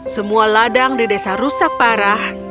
semua ladang di desa rusak parah